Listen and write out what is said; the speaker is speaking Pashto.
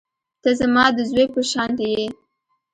ته زما د زوى په شانتې يې.